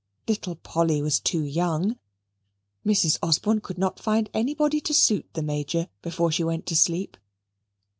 Little Polly was too young. Mrs. Osborne could not find anybody to suit the Major before she went to sleep.